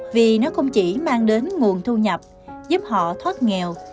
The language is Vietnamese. vì nó không chỉ mang đến nguồn thu nhập giúp họ thoát nghèo